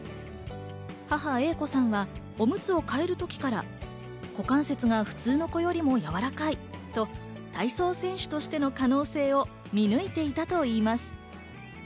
母・英子さんはおむつを替える時から股関節が普通の子よりもやわらかいと体操選手としての可能性を見抜いていたといいます。